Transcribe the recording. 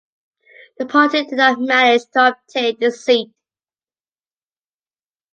The party did not manage to obtain the seat.